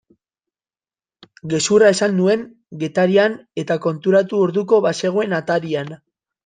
Gezurra esan nuen Getarian eta konturatu orduko bazegoen atarian.